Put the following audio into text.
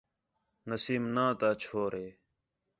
نسیم ناں نتا چھور ہِے